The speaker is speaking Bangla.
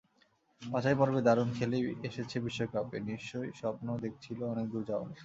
বাছাইপর্বে দারুণ খেলেই এসেছে বিশ্বকাপে, নিশ্চয়ই স্বপ্নও দেখছিল অনেক দূর যাওয়ার।